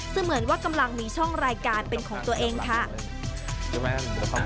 เหมือนว่ากำลังมีช่องรายการเป็นของตัวเองค่ะ